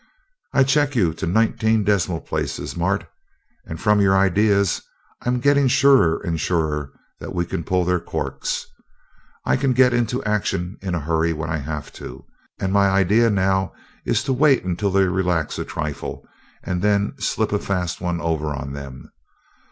"I check you to nineteen decimal places, Mart, and from your ideas I'm getting surer and surer that we can pull their corks. I can get into action in a hurry when I have to, and my idea now is to wait until they relax a trifle, and then slip a fast one over on them.